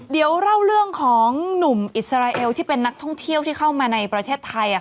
เดี๋ยวเล่าเรื่องของหนุ่มอิสราเอลที่เป็นนักท่องเที่ยวที่เข้ามาในประเทศไทย